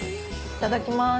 いただきます。